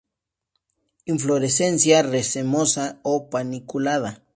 Inflorescencia racemosa o paniculada.